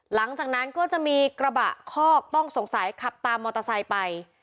หลังจากนั้นก็จะมีกระบะคอกต้องสงสัยขับตามมอเตอร์ไซค์ไป